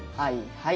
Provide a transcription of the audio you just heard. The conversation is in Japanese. はい。